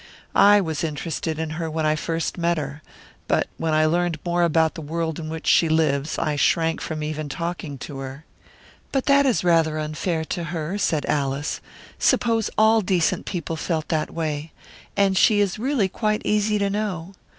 I was interested in her when I first met her. But when I learned more about the world in which she lives, I shrank from even talking to her." "But that is rather unfair to her," said Alice. "Suppose all decent people felt that way. And she is really quite easy to know.